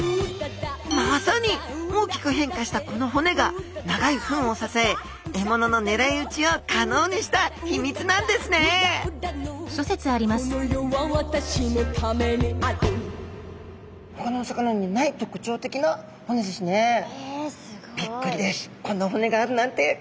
まさに大きく変化したこの骨が長い吻を支え獲物のねらい撃ちを可能にした秘密なんですねえすごい。びっくりです！